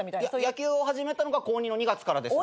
野球を始めたのが高２の２月からですね。